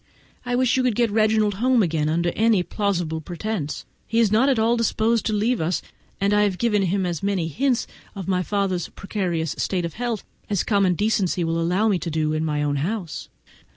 I wish you could get Reginald home again on any plausible pretence; he is not at all disposed to leave us, and I have given him as many hints of my father's precarious state of health as common decency will allow me to do in my own house.